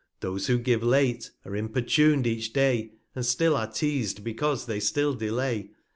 Those who give late, are importun'd each Day, And still are teaz'd, because they still delay.